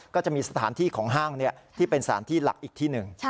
ก็จะมีสถานที่ของห้างที่เป็นสถานที่หลักอีกที่หนึ่ง